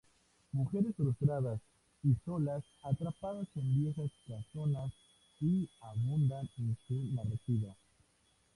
Mujeres frustradas y solas, atrapadas en viejas casonas, abundan en su narrativa.